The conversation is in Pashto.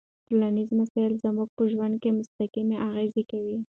ټولنيز مسایل زموږ په ژوند مستقیم اغېز کوي.